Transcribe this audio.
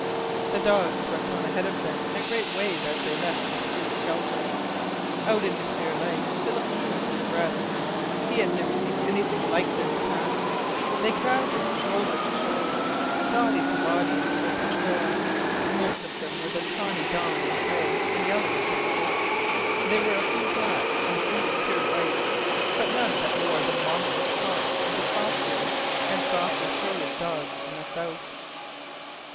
The dogs swept on ahead of them in a great wave as they left the spruce shelter. Out in the clear light Philip drew a deep breath. He had never seen anything like this pack. They crowded shoulder to shoulder, body to body, in the open trail. Most of them were the tawny dun and gray and yellow of the wolf. There were a few blacks, and a few pure whites, but none that wore the mongrel spots of the soft footed and softer throated dogs from the south.